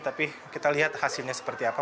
tapi kita lihat hasilnya seperti apa